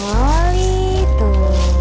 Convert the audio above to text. nah ini kesukaan moli